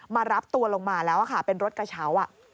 มารับตัวลงมาแล้วค่ะเป็นรถกระเช้า